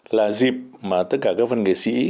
là dịp mà tất cả các văn nghệ sĩ